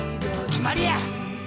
決まりや！